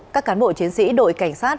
các cán bộ chiến sĩ đội cảnh sát